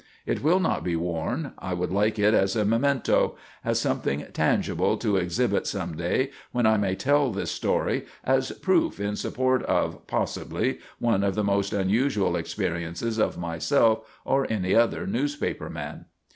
It will not be worn. I would like it as a memento; as something tangible to exhibit some day when I may tell this story, as proof, in support of, possibly, one of the most unusual experiences of myself or any other newspaper man."